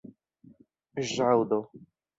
ĵaŭdo